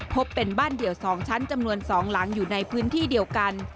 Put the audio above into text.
พบเป็นบ้านเดี่ยว๒ชั้นจำนวน๒หลังอยู่ในพื้นที่เดียวกัน